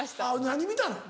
何見たの？